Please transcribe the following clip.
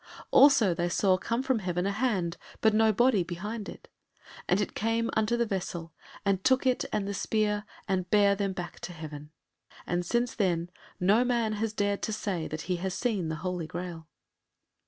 Also they saw come from heaven a hand, but no body behind it, and it came unto the Vessel, and took it and the spear, and bare them back to heaven. And since then no man has dared to say that he has seen the Holy Graal.